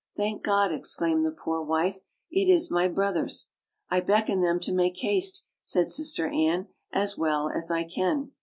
"Thank God!" exclaimed the poor wife, "it is my brothers." "I beckon them to make haste," said Sister Anne, "as well as I can."